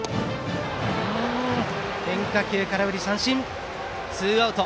変化球、空振り三振でツーアウト。